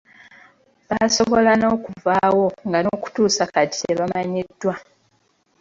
Baasobola n’okuvaawo nga n’okutuusa kati tebamanyiddwa.